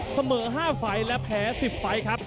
เสมอ๕ไฟล์และแพ้๑๐ไฟล์ครับ